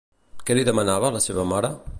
Què li demanava a la seva mare?